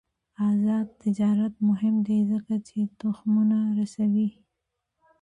آزاد تجارت مهم دی ځکه چې تخمونه رسوي.